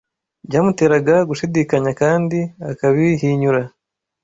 byamuteraga gushidikanya kandi akabihinyura